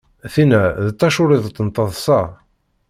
Tinna! d taculliḍt n teḍsa.